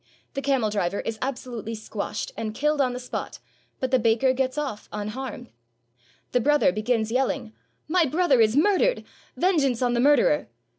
The camel driver is absolutely squashed and killed on the spot, but the baker gets off unharmed. The brother begins yelling, "My brother is murdered! Vengeance on the murderer!"